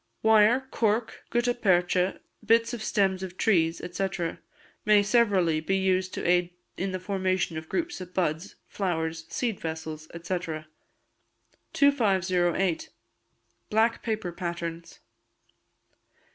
Wire, cork, gutta percha, bits of stems of trees, &c., may severally be used to aid in the formation of groups of buds, flowers, seed vessels, &c. 2508. Black Paper Patterns.